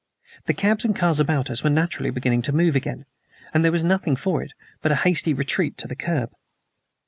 The cabs and cars about us were actually beginning to move again, and there was nothing for it but a hasty retreat to the curb.